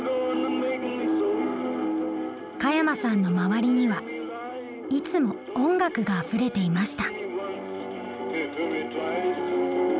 加山さんの周りにはいつも音楽があふれていました。